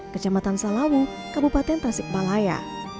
kejamatan salawu kabupaten tasikbalaya